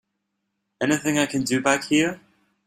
Anything I can do back here?